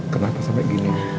kenapa sampai gini